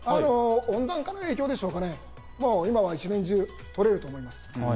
温暖化の影響でしょうかね、今は一年中とれると思います。